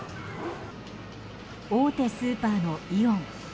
大手スーパーのイオン。